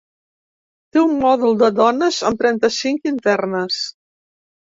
Té un mòdul de dones amb trenta-cinc internes.